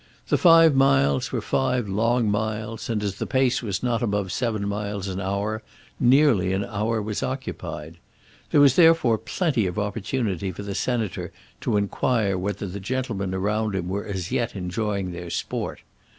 The five miles were five long miles, and as the pace was not above seven miles an hour, nearly an hour was occupied. There was therefore plenty of opportunity for the Senator to inquire whether the gentlemen around him were as yet enjoying their sport.